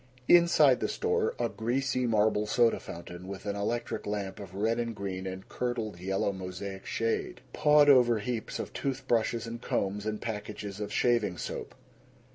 Inside the store, a greasy marble soda fountain with an electric lamp of red and green and curdled yellow mosaic shade. Pawed over heaps of tooth brushes and combs and packages of shaving soap.